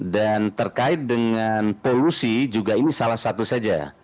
dan terkait dengan polusi juga ini salah satu saja